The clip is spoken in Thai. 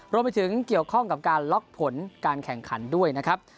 รวมไปถึงเกี่ยวข้องกับการล็อกผลการแข่งขันด้วยนะครับ